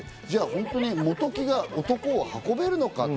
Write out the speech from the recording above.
じゃあ、本当に本木が男を運べるのか。